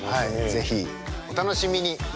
是非お楽しみに。